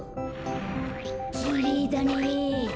きれいだね。